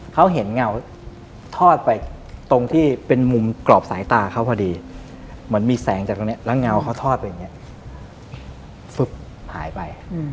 เขาเห็นเงาทอดไปตรงที่เป็นมุมกรอบสายตาเขาพอดีเหมือนมีแสงจากตรงนี้แล้วเงาเขาทอดไปอย่างนี้ฟึ๊บหายไป